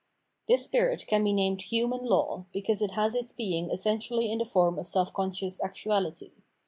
This spirit can be named Human Law, because it has its being essentially in the form of self con scious actuality.